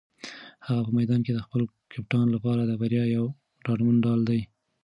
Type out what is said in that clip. هغه په میدان کې د خپل کپتان لپاره د بریا یو ډاډمن ډال دی.